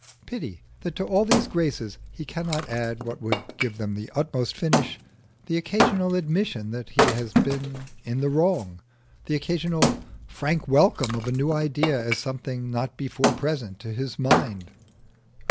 Pity that to all these graces he cannot add what would give them the utmost finish the occasional admission that he has been in the wrong, the occasional frank welcome of a new idea as something not before present to his mind!